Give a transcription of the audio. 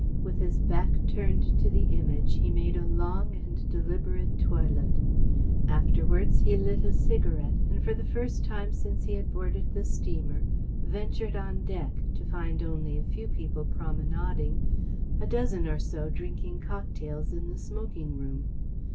With his back turned to the Image he made a long and deliberate toilet. Afterwards he lit a cigarette and for the first time since he had boarded the steamer, ventured on deck to find only a few people promenading, a dozen or so drinking cocktails in the smoking room.